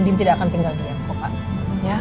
andi tidak akan tinggal di rumah